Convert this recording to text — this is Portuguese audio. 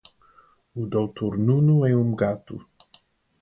O Doutor Nuno é um gato